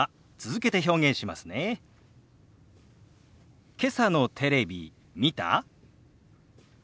けさのテレビ見た？